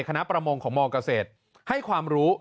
ประมงของมเกษตรให้ความรู้